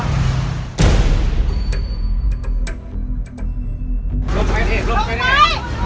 หลงไปได้หลงไปได้